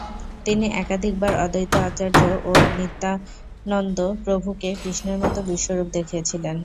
তিনি একাধিকবার অদ্বৈত আচার্য ও নিত্যানন্দ প্রভুকে কৃষ্ণের মতো বিশ্বরূপ দেখিয়েছিলেন।